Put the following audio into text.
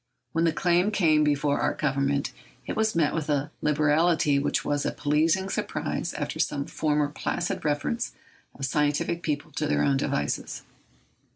When the claim came before our Government, it was met with a liberality which was a pleasing surprise after some former placid references of scientific people to their own devices.